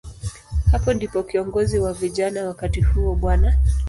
Hapo ndipo kiongozi wa vijana wakati huo, Bw.